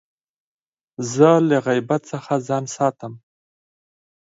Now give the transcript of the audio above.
زه له غیبت څخه ځان ساتم.